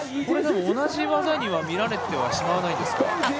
同じ技には見られてしまわないんですか？